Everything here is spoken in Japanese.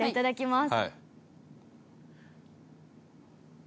いただきます。